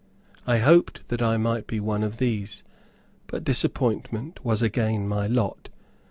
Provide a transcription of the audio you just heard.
I hoped that I might be one of these last, but disappointment was again my lot.